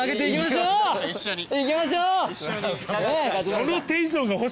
行きましょう！